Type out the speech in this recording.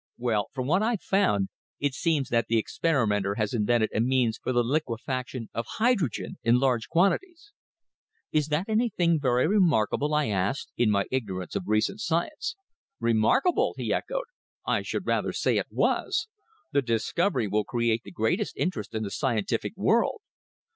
"Well, from what I've found, it seems that the experimenter has invented a means for the liquefaction of hydrogen in large quantities." "Is that anything very remarkable?" I asked, in my ignorance of recent science. "Remarkable!" he echoed. "I should rather say it was. The discovery will create the greatest interest in the scientific world.